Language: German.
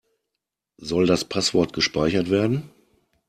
Soll das Passwort gespeichert werden?